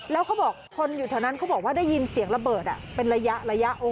แล้วเขาบอกคนอยู่แถวนั้นเขาบอกว่าได้ยินเสียงระเบิดเป็นระยะ